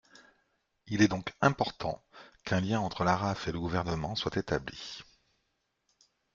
Il est donc important qu’un lien entre l’ARAF et le Gouvernement soit établi.